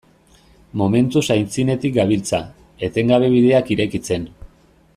Momentuz aitzinetik gabiltza, etengabe bideak irekitzen.